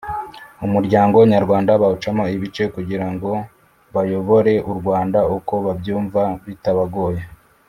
Umuryango nyarwanda bawucamo ibice kugira ngo bayobore u Rwanda uko babyumva bitabagoye